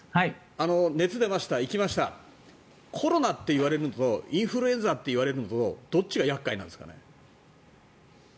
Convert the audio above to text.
熱出ました、行きましたコロナって言われるのとインフルエンザって言われるのとどっちが厄介なんですかね。